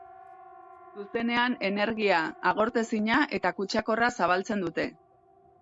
Zuzenean energia agortezina eta kutsakorra zabaltzen dute.